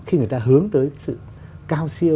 khi người ta hướng tới sự cao siêu